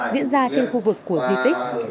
diễn ra trên khu vực của di tích